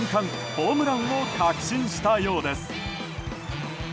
ホームランを確信したようです。